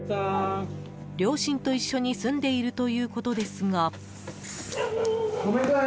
両親と一緒に住んでいるということですが。